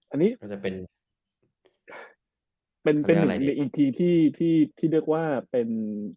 อันนี้เป็นอีกนึงอีพีที่เรียกว่าเป็น